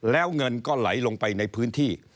แล้วเงินก็ไหลลงไปในพื้นที่